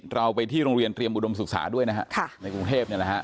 เราไปที่โรงเรียนเตรียมอุดมศึกษาด้วยนะฮะในกรุงเทพเนี่ยนะฮะ